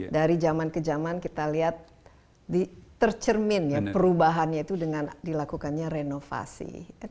dari zaman ke zaman kita lihat tercermin ya perubahannya itu dengan dilakukannya renovasi